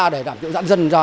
để giảm dân ra